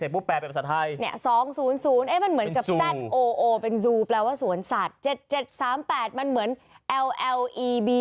บวกเลขเอาเลขแปลไปภาษาอังกฤษ